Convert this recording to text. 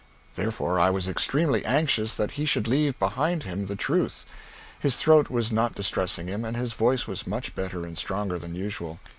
Therefore I was extremely anxious that he should leave behind him the truth. His throat was not distressing him, and his voice was much better and stronger than usual.